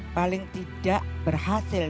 paling tidak berhasil